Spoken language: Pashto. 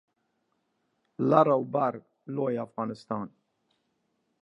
لر او بر لوی افغانستان